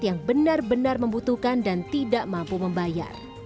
yang benar benar membutuhkan dan tidak mampu membayar